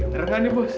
bener kan nih bos